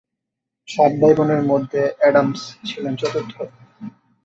সাত ভাইবোনের মধ্যে অ্যাডামস ছিলেন চতুর্থ।